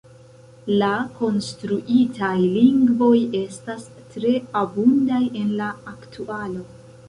La konstruitaj lingvoj estas tre abundaj en la aktualo.